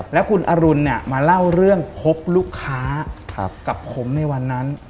แล้วคุณอรุณมาเล่าเรื่องพบลูกค้ากับผมในวันนั้น